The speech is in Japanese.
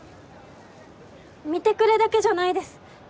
見てくれだけじゃないです。